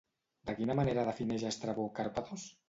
De quina manera defineix Estrabó Càrpatos?